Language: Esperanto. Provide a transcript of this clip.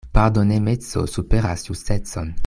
Pardonemeco superas justecon.